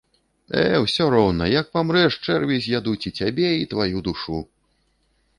Э, усё роўна, як памрэш, чэрві з'ядуць і цябе, і тваю душу.